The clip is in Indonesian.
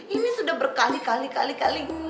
ini sudah berkali kali kali